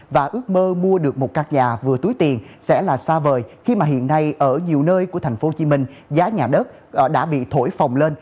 và ước mơ mua được một căn nhà vừa túi tiền sẽ là xa vời khi mà hiện nay ở nhiều nơi của tp hcm giá nhà đất đã bị thổi phồng lên